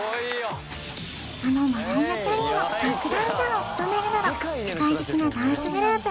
あのマライア・キャリーのバックダンサーを務めるなど世界的なダンスグループ